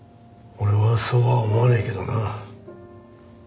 俺はそうは思わねえけどな。